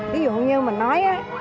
ví dụ như mình nói